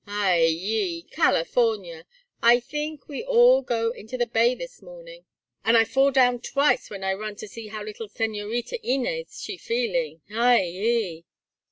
Ay yi, California! I theenk we all go into the bay this morning, and I fall down twice when I run to see how little Señorita Inez she feeling. Ay yi!"